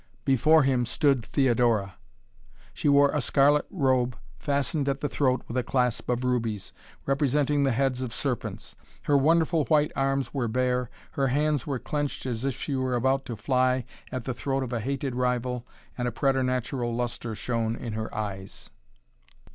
Before him stood Theodora. She wore a scarlet robe, fastened at the throat with a clasp of rubies, representing the heads of serpents. Her wonderful white arms were bare, her hands were clenched as if she were about to fly at the throat of a hated rival and a preternatural lustre shone in her eyes.